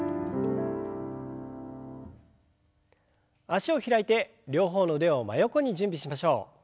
脚を開いて両方の腕を真横に準備しましょう。